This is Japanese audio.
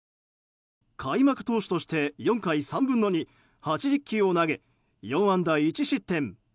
開幕投手として３回３分の２８０球を投げ、４安打１失点。